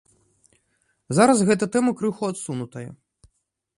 Зараз гэта тэма крыху адсунутая.